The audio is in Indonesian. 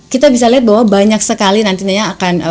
kita bisa lihat bahwa banyak sekali nantinya akan